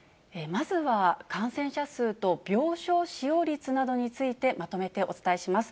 まずは感染者数と病床使用率などについてまとめてお伝えします。